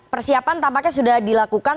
persiapan tampaknya sudah dilakukan